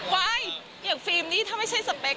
อย่างฟิล์มนี่ถ้าไม่ใช่สเปค